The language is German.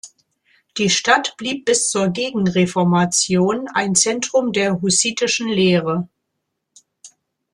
Die Stadt blieb bis zur Gegenreformation ein Zentrum der hussitischen Lehre.